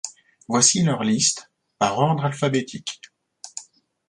Voici leur liste par ordre alphabétique.